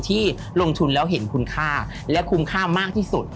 ที่ลงทุนแล้วเห็นคุณค่าและคุ้มค่ามากที่สุด